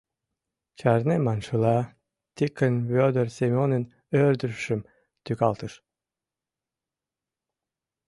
Чарне маншыла, Тикын Вӧдыр Семонын ӧрдыжшым тӱкалтыш.